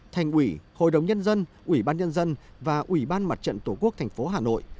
thành ủy hội đồng nhân dân ủy ban nhân dân và ủy ban mặt trận tổ quốc tp hà nội